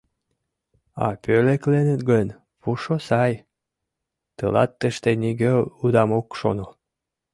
А пӧлекленыт гын, пушо сай — тылат тыште нигӧ удам ок шоно...